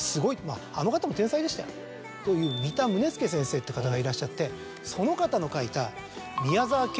あの方も天才でしたよ。という見田宗介先生って方がいらっしゃってその方の書いた。